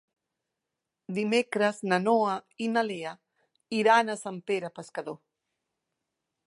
Dimecres na Noa i na Lea iran a Sant Pere Pescador.